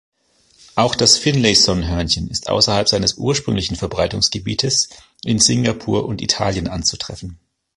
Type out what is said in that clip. Auch das Finlayson-Hörnchen ist außerhalb seines ursprünglichen Verbreitungsgebietes in Singapur und Italien anzutreffen.